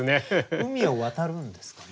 海を渡るんですかね？